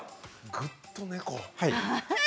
ぐっと猫。